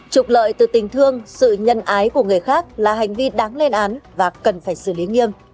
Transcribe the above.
trục lợi từ tình thương sự nhân ái của người khác là hành vi đáng lên án và cần phải xử lý nghiêm